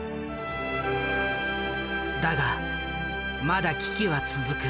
だがまだ危機は続く。